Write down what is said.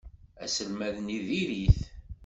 Aselmad-nni diri-t.